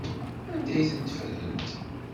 Anda ay tent-ffrent?